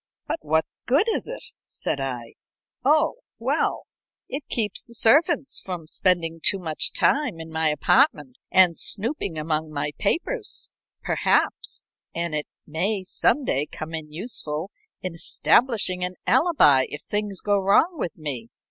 "But what good is it?" said I. "Oh, well it keeps the servants from spending too much time in my apartment, snooping among my papers, perhaps; and it my some day come in useful in establishing an alibi if things go wrong with me.